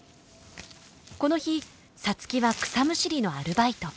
この日皐月は草むしりのアルバイト。